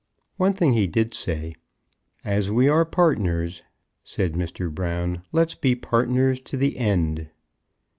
One thing he did say; "As we are partners," said Mr. Brown, "let's be partners to the end."